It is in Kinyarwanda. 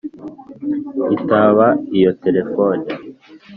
Itaba iyo telephone